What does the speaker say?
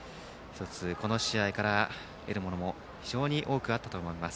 この試合から得るものも非常に多くあったと思います。